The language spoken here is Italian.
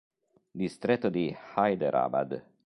Distretto di Hyderabad